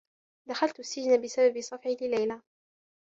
دخلت السّجن بسبب صفعي لليلى.